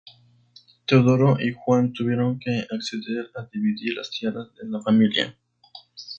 Teodoro y Juan tuvieron que acceder a dividir las tierras de la familia.